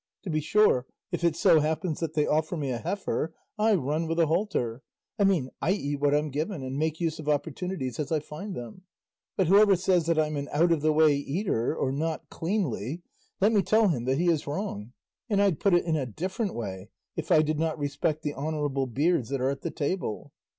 To be sure, if it so happens that they offer me a heifer, I run with a halter; I mean, I eat what I'm given, and make use of opportunities as I find them; but whoever says that I'm an out of the way eater or not cleanly, let me tell him that he is wrong; and I'd put it in a different way if I did not respect the honourable beards that are at the table."